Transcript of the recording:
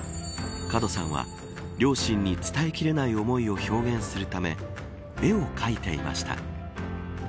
門さんは、両親に伝えきれない思いを表現するため絵を描いていました。